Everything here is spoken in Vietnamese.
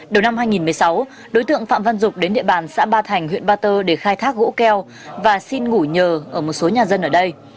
đầu năm hai nghìn một mươi sáu đối tượng phạm văn dục đến địa bàn xã ba thành huyện ba tơ để khai thác gỗ keo và xin ngủ nhờ ở một số nhà dân ở đây